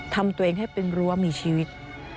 ทำตัวเองให้เป็นรั้วมีชีวิต